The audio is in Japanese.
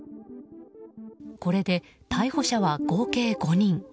これで逮捕者は合計５人。